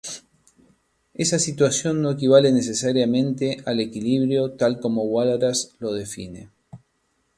Esa situación no equivale necesariamente al equilibrio tal como Walras lo define.